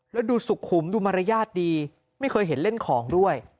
แล้วดูสุขุมดูมารยาทดีไม่เคยเห็นเล่นของด้วย